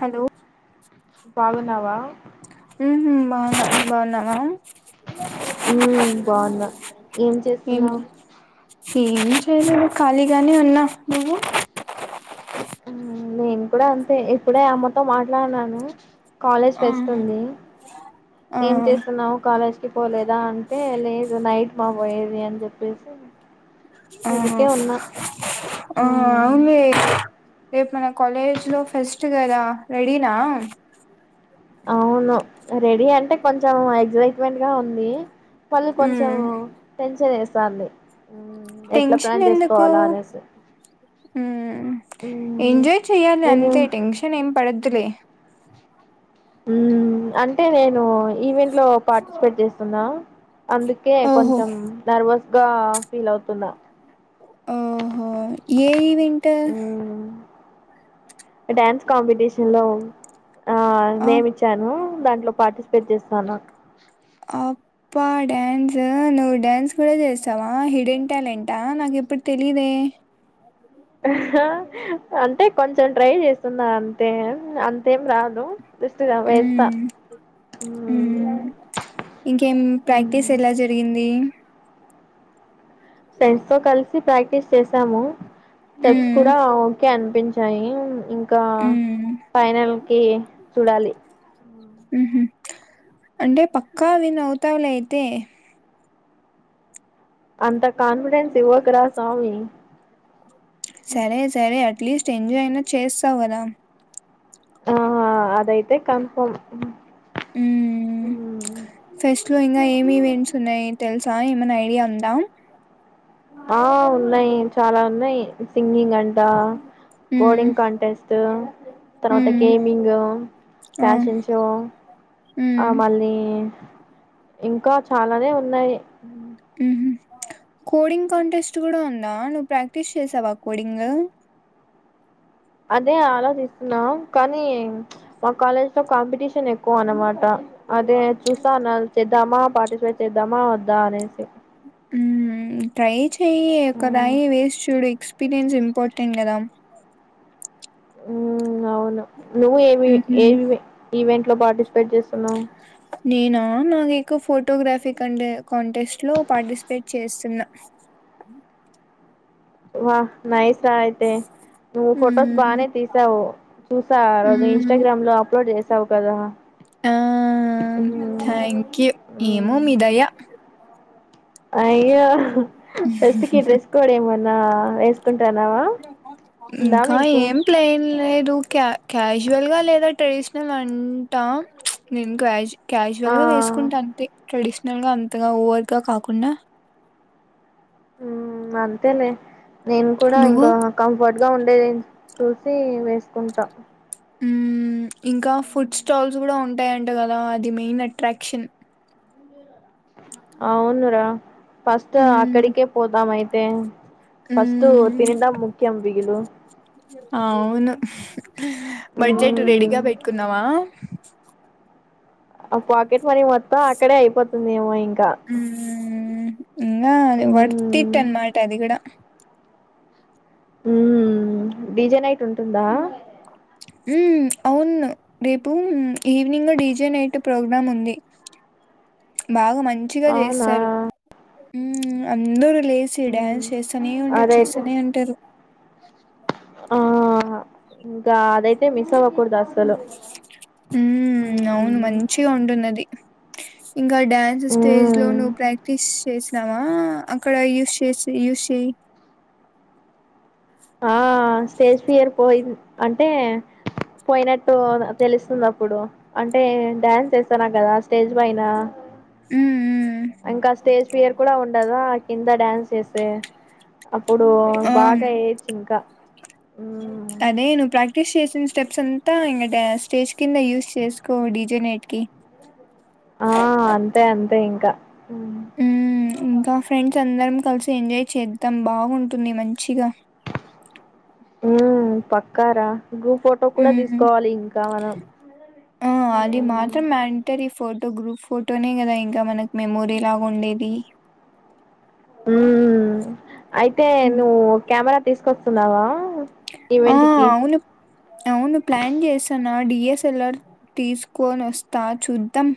Hello బాగున్నావా బా బాగున్నావా మ్మ్ బాగున్నా ఏం చేస్తున్నావు ఏం చేయలేధు ను్ ఖాళీగానే ఉన్నా నువ్వు నేను కూడా అంతే ఇప్పుడే అమ్మతో మాట్లాడినాను కాలేజ్ ఆ ఫెస్ట్ ఉంది ఆ ఏం చేస్తున్నావు కాలేజ్ పోలెధు ఆ అంటే లేదు నైట్ మా వైరి అని చెప్పేసి ఆహా ఊరికే ఉన్నా ఆ ఆ అవును రేపు మన కాలేజ్ లో ఫస్ట్ కదా రెడీనా అవును రెడీ అంటే కొంచెం ఎగ్జైట్మెంట్ గా ఉంది పళ్ళు కొంచెం ఉమ్ సిన్స్ సరే సార్డి ఎట్లా ప్లాన్ చేసుకోవాలా అనేసి ఆ ఎంజాయ్ చెయాలి నేను అంతే టెన్షన్ ఏం పడవద్దులే ఉమ్ అ అ నేను ఈవెంట్ లో పాార్ట్ ఎక్స్పెట్ చేస్తుందా అందుకే కొంచెం నర్వస్ గా ఫీల్ అవుతున్నా ఆహో ఏ అంటే మ్మ్ డ్యాన్స్ కాంపిటీషన్ లో ఆ ఆ నేమ్ ఇచ్చాను దాంట్లో పార్టిసిపేట్ చేస్తా చాల అబ్బా డ్యాన్స్ నువ్వు డ్యాన్స్ కూడా చేస్తా అవా హిడెన్ ట్యాలెంటా నా ఎప్పుడు తెలీదే అంటే కొంచెం ట్రై చేస్తున్నా అంతే అంతేం రాదు జస్ట్ వేస్తా మ్మ్ ఇంకేం ప్రాక్టీస్ మ్మ్ ఎలా జరిగింది ఫ్రెండ్స్ తో కలిసి ప్రాక్టీస్ చేసాము స్టెప్స్ ఉమ్ కూడా ఓకే అం పించాయి ఇం ఇకా ఉమ్ ఫైనల్ కి చూడాలి ఉహ అంటే పక్కా విన్ అవుతావులే అయితే అంత కాన్ఫిడెన్స్ ఇవ్వకరా స్వామి సరే సరే అట్లెస్ట్ ఎంజాయ్ అయినా చేస్తావ్ కదా ఆహా అదయితే కన్ఫర్మ్ ఉ ఫెస్ట్ లో ఇంకా ఏమి ఈవెంట్స్ ఉన్నాయి తెలుస సా ఏమన్నా ఐడియా ఉందా ఆ ఉన్నాయి చాలా ఉన్నాయి సింగింగ్ అన్ డా ఉమ్ కోడింగ్ కాంటెస్ట్ తర్వాత ఉమ్ గేమింగ్ ఆ ప్యాషన్ షో ఆ ఉమ్ మళ్ళీ ఇంకా చాలానే ఉన్నాయి ఊహూ కోడింగ్ కాంటెస్ట్ కూడా ఉందా నువ్వు ప్రాక్టీస్ చేసావా కోడింగ్ అదే ఆలోచిస్తున్నాం కానీ మా కాలేజ్ లో కాంపిటీషన్ ఎక్కువ అన్నమాట అదే చూశాను [inaudible] ద్దామా పార్టిసిపేట్ చేద్దామా వద్దా అనేసి ఉమ్మ్ ట్రై చెయ్యి ఒకరాయి వేసి చూడు ఎక్స్పీరియన్స్ ఇంపార్టెంట్ కదా ఉమ్మ్ అవును నువ్వు ఏవి ఉహు ఏవి ఈవెన్ లో పార్టిస్ నేనా నాకిక ఫో టోగ్రాఫీ కంటె కాంటెస్ట్ లో పార్టిసిపేట్ చేస్తున్నా వా నైస్ తా అయితే నువ్వు ఫోటోస్ మ్మ్ బానే తీశావు చూసా ఆ రోజు మ్మ్ ఇన్స్టాగ్రామ్ లో అప్లోడ్ చేస్ శావు కదా ఆ మ్మ్ థ్యాంక్ యూ మ్మ్ ఏమో మీ దయ అయ్యో ఫెస్ట్ కి డ్రెస్ కోడ్ ఏమో నా యెస్ ఇంకా మీకు ఏం ప్లేన్ లేదు క్యా కాష్ జువల్గా లేదా ట్రెడిషనల్ అంటా నేను క్యాజ్ ఆ క్యాజువల్ గా వేసుకుంటా అంతే ట్రెడిషనల్ గా అంతగా ఓవర్గా కాకుండా ఉమ్మ్ అంతేలే నేను కూడా నువ్వు ఇంకా కంఫర్ట్ గా ఉండేదిన్ చూసి వేసుకుంటా ఉమ్మ్ ఇంకా ఫుడ్ స్టాల్స్ కూడా ఉంటాయంట కదా అది మెయిన్ అట్రాక్షన్ అవును రా ఫస్ట్ మ్మ్ అక్కడికే పోదాం ఐత్ తే ఫస్ట్టు మ్మ్ తినటం ముఖ్యం బిగలు అవును బడ్జెట్ రెడీగా పెట్టుకుందామా ఆ పాకెట్ మనీ మొత్తం అక్కడ అయిపోతుంది ఏమో ఇంకా క్క ఇకా వర్క్ఇట్ అన్నమాట అది కూడా ఉ డీజే నైట్ ఉంటుందా మ్మ్ అవును రేపు ఈవినింగ్ డీజే నైట్ ప్రోగ్రామ్ ఉంది బాగా మంచి మంచిగా అవునా చేస్తారు మ్మ్ అందరు లేసి డాన్స్ చేస్తూనే ఉంటారు అదైతే చేస్తూనే ఉంటారు ఆ ఇంకా అదైతే మిస్ అవ్వ ఉ అవును మ్మ్ మంచిగా ఉంటుందది ఇంకా డ్యాన్స్ స్టేజ్ లో మ్మ్ నువ్వు ప్రాక్టీస్ చేసినామా అక్కడ యూస్ చేసి యూస్ చేయి ఆ స్టేజ్ ఫియర్ పోయి అంటే పోయినట్టు తెలుస్తుంది అప్పుడు అంటే డ్యాన్స్ చేస్తానా కదా స్టేజ్ పైన ఉమ్మ్ ఇంకా స్టేజ్ పియర్ కూడా ఉ కదా కింద డాన్స్ చేస్తే అప్పుడు బాగా ఆ ఎయ్యొచ్చు ఇంకా అదే నువ్వు ప్రాక్టీస్ చేసిన స్టెప్స్ అంతా ఇంక స్టేజ్ కింద యూస్ చేసుకో డీజే నైట్ కి ఆ అంతే అంతే ఇంకా ఉ ఉ ఇంకా ఫ్రెండ్స్ అందరం కలిసి ఎంజాయ్ చేద్దాం బాగుంటుంది మంచిగా హ పక్కారా గ్రూప్ ఫోటో కూడా హ్మ్ తీసుకోవాలి ఇంకా మనం ఆ అది మాత్రం మ్యాండటరీ ఫోటో గ్రూప్ ఫోటోనే కదా ఇంకా మనకి మెమోరీ లాగా ఉండేది ఉ అయితే ఉమ్. నువ్ కెమెరా తీసుకొస్తున్నావా ఆ ఈవెంట్ కి అవును అవును ప్లాన్ చేసాం న డిఏసెల్లర్తీ సుకొని వస్తా చూద్దాం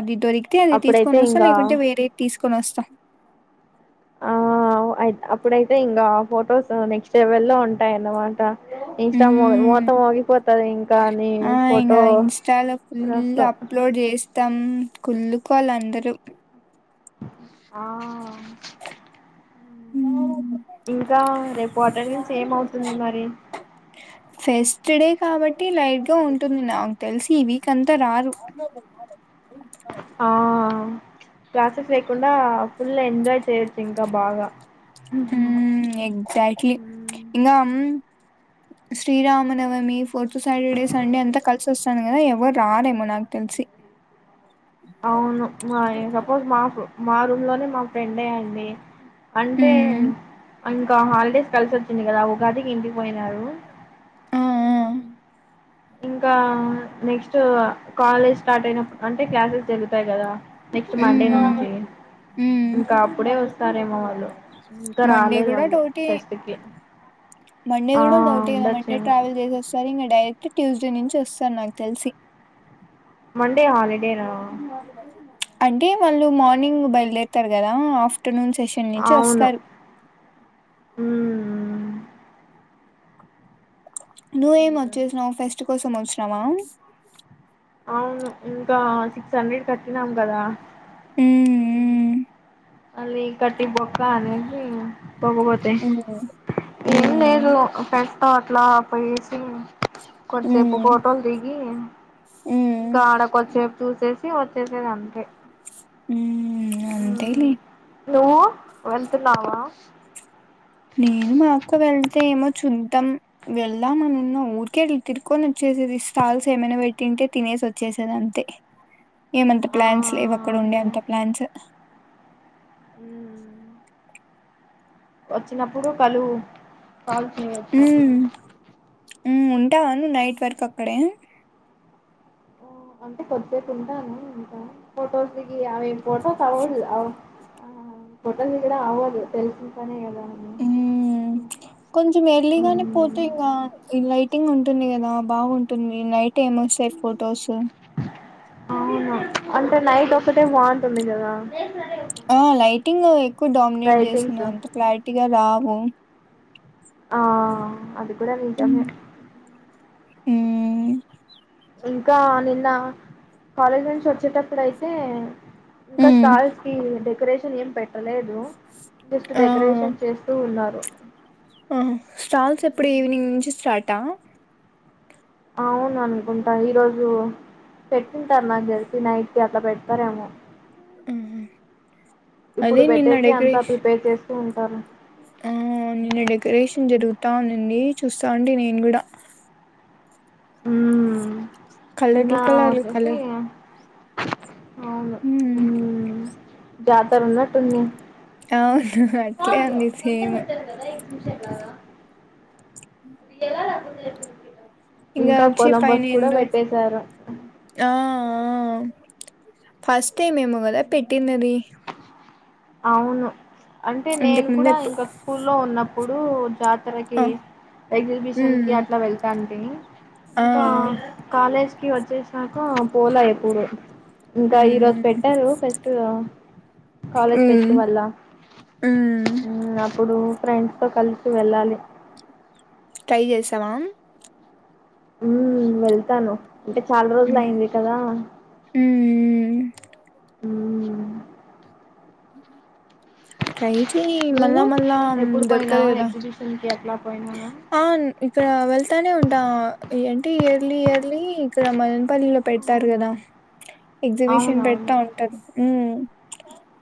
అది దొరికితే అది అప్పుడైతే తీసుకొని వస్తాం ఇంకా లేకుంటే వేరే తీసుకొని వస్తాం ఆ అప్పుడైతే ఇంకా ఫొటోస్ నెక్స్ట్ లెవెల్లో ఉంటాయన్నమాట ఇన్స్టా మో హ్మ్ మోతమోగిపోద్ది ఇంకా ని ఆ ఇంగ ఫోటో వస్తా తం కుళ్ళుకోవాలి అందరూ ఆ ఉ ఇంకా రేపు అటెండెన్స్ ఏమవుతుంది మరి. ఫెస్ట్ డే కాబట్టి లైట్ గా ఉంటుంది నాకు తెలిసి ఈ వీక్ అంతా రారు. ఆ క్లాసెస్ లేకుండా ఫుల్ ఎంజాయ్ చేయొచ్చు ఇంకా బాగా. హ ఎక్జాక్ట్లీ ఇంకా శ్రీరామనవమి ఫోర్త్ సాటర్డే సండే అంతా కలిసి వస్తాను కదా ఎవరు రారేమో నాకు తెలిసి. అవును మా సపోజ మాపు మా రూమ్ లోనే మా ఫ్రెండ్ ఏ అండి అంటే మ్మ్ ఇంకా హాలిడేస్ కలిసిచ్చ చింది కదా ఉగాటికి ఇంటికి పోయినారు ఆ ఆ ఇంకా నెక్స్ట్ కాలేజ్ స్టార్ట్ అయిన అంటే క్లాసెస్ జరుగుతాయి కదా. నెక్స్ట్ మ్మ్ మండే మ్మ్ నుంచి మ్మ్ ఇంకా అప్పుడే. సారేమ వాళ్ళు ఇంకా మండే రాలేదు కూడా వాళ్ళు డౌటే ఫెస్ట్ కి మండే ఆ కూడా డౌట్ కదా మండే ఉండొచ్చేమో ట్రావెల్ చేసేస్తారు ఇంకా. డైరెక్ట్ ట్యూస్డే నుంచి వస్తాను నాకు తెలిసి. మండే హాలిడేనా అంటే వాళ్ళు మార్నింగ్ బయలుదేరుతారు కదా ఆఫ్టర్. ఆఫ్టర్నూన్ సెషన్ నుంచి అవును వస్తారు. ఉమ్ నువ్వవు ఏం వచ్చేసినా్ ఫస్ట్ కోసం వచ్చినవా అవును ఇంకా సిక్స్ హండ్రెడ్ కట్టినాం కదా. హ్మ్ మ్మ్, అలీ కటి బొక్క అనేది పోకపోతే మ్మ్, ఏమి లేదు మ్మ్, ఫ్రెండ్స్ అట్లా పోయేసి కొద్సేపు మ్మ్, ఫోటోలు దిగి మ్మ్, ఇంకా ఆడకి వచ్చి సేపు చూసేసి వచ్చేసేది అంతే ఉ ఉ మ్మ్ అంతేలి నువ్వు వెళ్తున్నావా నేను మా అక్క వెళ్తే ఏమో చూద్దాం వెళ్దామన్న ఊరికే తిరుకొని వచ్చేసేది స్టాల్స్ ఏమైనా పెట్టింటే తినేసి వచ్చేసేది అంతే ఏమంత ఆ ప్లాన్స్ లేవక్కడ ఉండే అంత ప్లాన్స్. ఉమ్ వచ్చినప్పుడు కలువు కాల్స్ వచ్చినప్పుడు మ్మ్. హ్మ్ ఉంటావా నైట్ వర్కు అక్కడె అంటే కొద్దిసేపు ఉంటాను ఇంకా ఫొటోస్ ది గి ఆమెవ్ ఏ ఫొటోస్ అవ్వవ్ ఫోటో దిగడం అవదు తెలిసనా పనే కదా అని హ్మ్ కొంచెం ఎర్లీగానే పోతేంగా ఈలైట్ టింగ్ ఉంటుంది కదా బాగుంటుంది నైట్ టేమల్ సెట్ ఫొటోస్ అవును అంటే నైట్ ఒకటే మన్ ఆ లైటింగ్ ఎక్కువ డామినేట్ లైటింగ్స్ చేస్తున్న అంత క్లారిటీగా రావ్ ఓ ఆ అది డ మీంటే హ్మ్ హ్మ్ ఇంకా నిన్న కాలేజ్ నుంచి వచ్చేటప్పుడు అయితే ఇంకా హ్మ్. స్టాల్స్ కి డెకరేషన్ ఏం పెట్టలేదు జస్ట్ ఆ డెకరేషన్ చేస్తూ ఉన్నారు ఆ స్టాల్స్ ఎప్పుడు ఈవినింగ్ నుంచి స్టార్టా అవును అనుకుంటా ఈరోజు పెట్టింటారు నాకు తెలిసి నైట్ కి అట్లా పెడతారేమో ఆ ఇప్పుడు అదే నిన్న పెట్టేకి అంతా అకరెష్న్ ప్రిపేర్ చేస్తూ ఉంటారు ఆ నిన్న డెకొరేషన్ జరుగుతు జరుగుతా ఉన్నింది చూస్తా ఉంటి నేను కూడా ఊ కలర్ లు కలర్ లు కలర్ ఆవును హ్మ్ ఉమ్ జాతర ఉన్నట్టు ఉంది అవును అట్లే కాదు ఉంది అంతా సేమ్ పెట్టారు కదా ఏగ్జిబిషన్ లాగా ఎలా రా కు చెది ఇంగా ఇంకా వచ్చి పైన కొలంబస్ కూడా ఏందో పెట్టేశారు ఆ ఆ ఫస్ట్ టైం ఏమో కదా పెట్టిందది అవును అంటే ఇంతకు నేను ముందు కూడా ఎప్పుడు ఇంకా స్కూ ల్లో ఉన్న ఇప్పుడు జాతి మనకి ఆ ఎగ్జబిషన్ కి ఉమ్ అట్లా వెళ్తాను ఊ ఆ ఇంకా కాలేజ్ కి వచ్చేసాక పోల ఎప్పుడు ఇంకా ఈ రోజు ఉమ్ పెట్టారు ఫెస్ట్ కాలేజ్ పెస్ట్ ఉమ్ వళ్ల ఉమ్ అప్పుడు ఫ్రెండ్స్ తో కలిసి వెళ్ళాలి ట్రై చేసావా ఉ వెళ్తాను అంటే చాలా రోజులు ఉమ్ అయింది కదా ఊ ట్రై చే మల్లా నువ్వు మల్లా ఎప్పుడు దొరకదు పోయినావా కదా ఎగ్జిబిషన్ కి అట్లా పోయినావా అవును ఇక్కడ వెళ్తానే ఉంట ఆ ఏంటి ఇయర్లీ ఇయర్లీ ఇక్కడ మదనపల్లిలో పెడతారు అవునా కదా ఎగ్జిబిషన్ పెడతా అవునవును ఉంటారు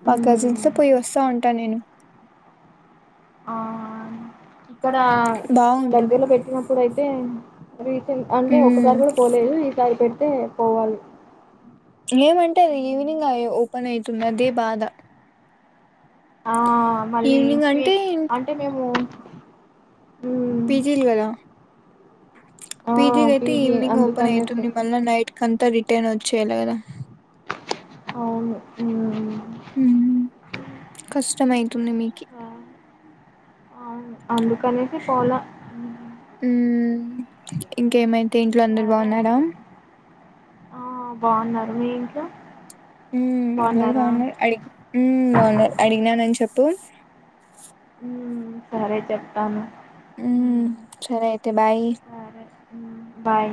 మా కజిన్సతో మ్మ్ పోయి వస్తా ఉంటాను నేను ఆ హ ఇక్కడ బాగుంటది దగ్గర్లో పెట్టినప్పుడు అయితే రీసెంట్ అంటే ఉమ్ ఒసారి కూడా పోలేదు ఈసారి పెట్ ఉంటే పోవాలి ఏమంటే అది ఈవినింగ్ ఓపెన్ అయితుంది అదే బాధ ఆ మళ్ళీ ఈవినింగ్ అంటే అంటే మేము [inaudible] పిజీల్ కదా ఆ పిజిదయితే పీజీ ఈవనింగ్ ఓపన్ అందుకనేసి అయితుంది మల్లా నైట్ కంత రిటర్న్ వచ్చేలా కదా అవును స్టమై తుందిమికి ఆ అవును అందుకనేసి పోల ఇంకేమై తే ఇంట్లో అందరు బాగున్నారా అయితే ఆ బాగున్నారు మీ ఇంట్లో మ్మ్ అందరు బాగున్నారా బాగున్నారు అడి మ్మ్ బాగున్నారు అడిగినానని చెప్పు ఉమ్ సరే చెప్పతాను ఉమ్ సరే అయితే బాయి ఉమ్ బాయ్